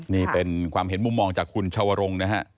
นี่เป็นความเห็นมุมมองจากคุณชาวรงค์นะฮะ